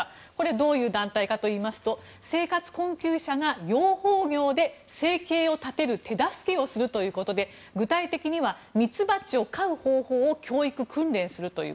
どういう団体かといいますと生活困窮者が養蜂業で生計を立てる手助けをすることで具体的にはミツバチを飼う方法を教育・訓練するという。